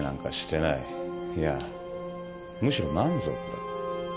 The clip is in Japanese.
いやむしろ満足だ。